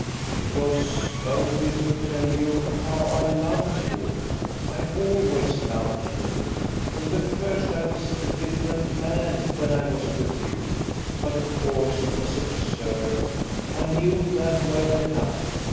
"It was only to tell you how I loved you. I always loved you. From the first I was a different man when I was with you. But of course it was absurd, I knew that well enough.